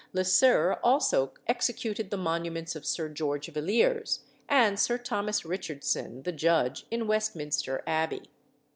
Le Sœur also executed the monuments of Sir George Villiers, and Sir Thomas Richardson the judge, in Westminster Abbey.